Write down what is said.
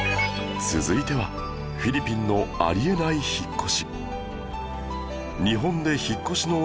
続いてはフィリピンのあり得ない引っ越し